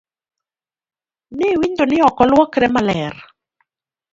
Ni winjo ni ok oluokre maler?